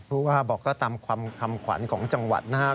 ผู้ว่าบอกก็ตามคำขวัญของจังหวัดนะครับ